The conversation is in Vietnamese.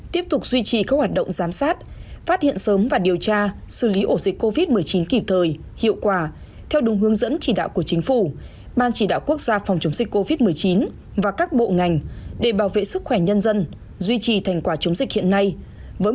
tiếp tục duy trì các hoạt động giám sát phát hiện sớm và điều tra xử lý ổ dịch covid một mươi chín kịp thời hiệu quả theo đúng hướng dẫn chỉ đạo của chính phủ ban chỉ đạo quốc gia phòng chống dịch covid một mươi chín và các bộ ngành để bảo vệ sức khỏe nhân dân duy trì thành quả chống dịch hiện nay